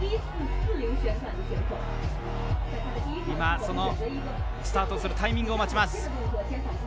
今、スタートするタイミングを待っています。